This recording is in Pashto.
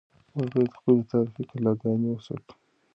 موږ باید خپلې تاریخي کلاګانې وساتو.